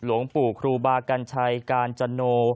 หลวงปู่ครูบากัญชัยกาญจโน